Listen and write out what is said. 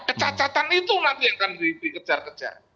kecacatan itu nanti yang akan dikejar kejar